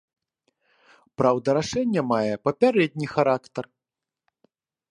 Праўда, рашэнне мае папярэдні характар.